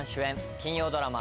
金曜ドラマ